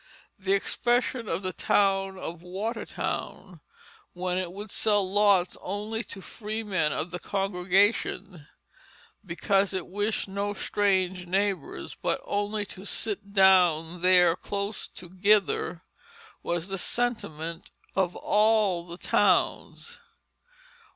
The expression of the town of Watertown when it would sell lots only to freemen of the congregation, because it wished no strange neighbors, but only "to sitt down there close togither," was the sentiment of all the towns.